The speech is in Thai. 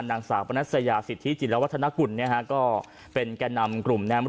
นางสาวปนัสยาสิทธิจิลวัฒนกุลเนี่ยฮะก็เป็นแก่นำกลุ่มแนม